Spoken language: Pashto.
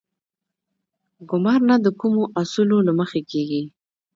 ګمارنه د کومو اصولو له مخې کیږي؟